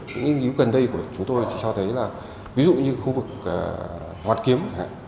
những nghiên cứu gần đây của chúng tôi cho thấy là ví dụ như khu vực hoàn kiếm